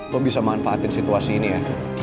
lo bisa manfaatin situasi ini ya